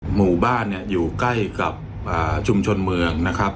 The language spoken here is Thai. หมู่บ้านเนี่ยอยู่ใกล้กับชุมชนเมืองนะครับ